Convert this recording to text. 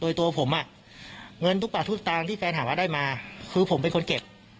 โดยตัวผมเงินทุกประทุษการที่แฟนหามาได้มาคือผมเป็นคนเก็บ